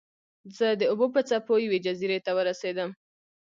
زه د اوبو په څپو یوې جزیرې ته ورسیدم.